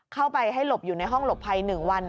เข้าไปให้หลบอยู่ในห้องหลบภัย๑วัน